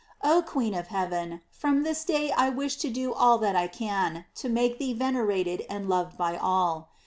Oh queen of heaven, from this day I wish to do all that L can to make thee venerated and loved by all.